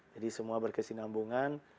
jadi semua berkesinambungan